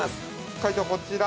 ◆解答はこちら。